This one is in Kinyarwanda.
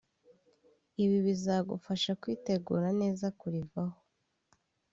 ibi bizagufasha kwitegura neza kurivaho